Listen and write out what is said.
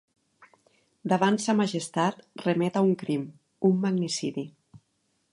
Davant sa majestat remet a un crim, un magnicidi.